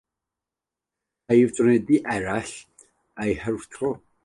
Caiff tonfeddi eraill eu hallwyro ar onglau sy'n dibynnu ar wasgariad gwydr y defnyddiau.